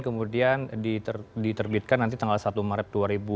kemudian diterbitkan nanti tanggal satu maret dua ribu dua puluh